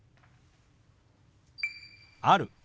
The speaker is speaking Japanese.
「ある」。